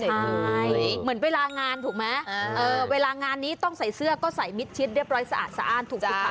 ใช่เหมือนเวลางานถูกไหมเวลางานนี้ต้องใส่เสื้อก็ใส่มิดชิดเรียบร้อยสะอาดสะอ้านถูกไหมคะ